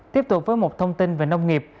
tiếp tục với một thông tin về nông nghiệp